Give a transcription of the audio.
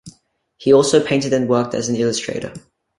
He also painted and worked as an illustrator.